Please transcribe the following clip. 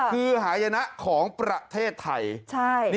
คือหายนะของประเทศไทย